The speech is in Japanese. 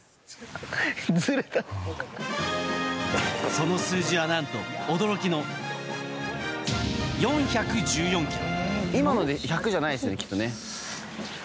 その数字は何と驚きの４１４ｋｇ。